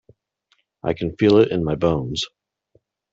I can feel it in my bones.